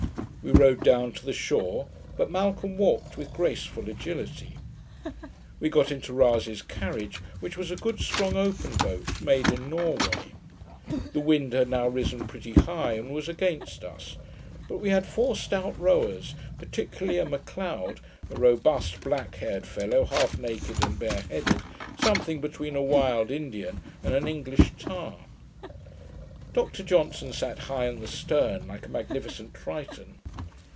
We rode down to the shore; but Malcolm walked with graceful agility. We got into Rasay's CARRIAGE, which was a good strong open boat made in Norway. The wind had now risen pretty high, and was against us; but we had four stout rowers, particularly a Macleod, a robust, black haired fellow, half naked, and bear headed, something between a wild Indian and an English tar. Dr Johnson sat high on the stern, like a magnificent Triton.